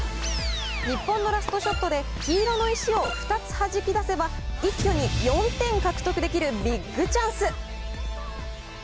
日本のラストショットで、黄色の石を２つはじきだせば、一挙に４点獲得できるビッグチャンス。